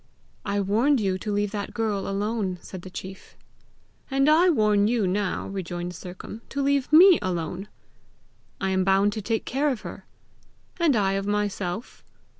"I warned you to leave that girl alone!" said the chief. "And I warn you now," rejoined Sercombe, "to leave me alone!" "I am bound to take care of her." "And I of myself."